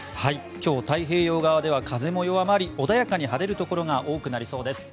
今日、太平洋側では風も弱まり穏やかに晴れるところが多くなりそうです。